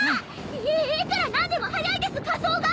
いいくらなんでも早いです火葬が！